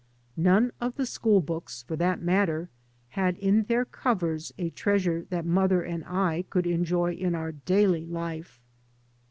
None of the school books, for that matter, had in their covers a treasure that mother and I could enjoy in our daily life.